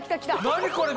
何これ！